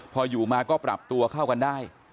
พออยู่มาก็ปรับตัวเข้ากันได้